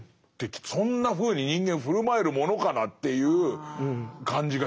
そんなふうに人間振る舞えるものかなっていう感じがして。